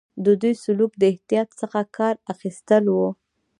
د دوی سلوک د احتیاط څخه کار اخیستل وو.